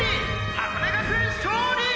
箱根学園勝利！！」